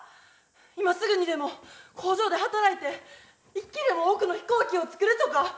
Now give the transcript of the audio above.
今すぐにでも工場で働いて一機でも多くの飛行機を作るとかしたいんです。